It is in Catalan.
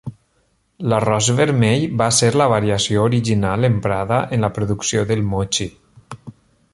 L'arròs vermell va ser la variació original emprada en la producció del mochi.